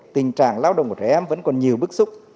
tình trạng lao động của trẻ em vẫn còn nhiều bức xúc